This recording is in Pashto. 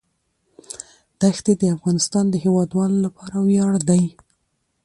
دښتې د افغانستان د هیوادوالو لپاره ویاړ دی.